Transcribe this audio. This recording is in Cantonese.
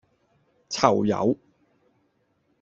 囚友